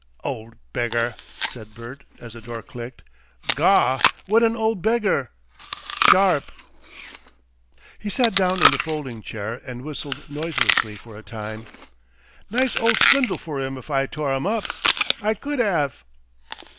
"Old beggar!" said Bert, as the door clicked. "Gaw! what an ole beggar! SHARP!" He sat down in the folding chair, and whistled noiselessly for a time. "Nice 'old swindle for 'im if I tore 'em up! I could 'ave."